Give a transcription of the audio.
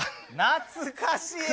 懐かしい。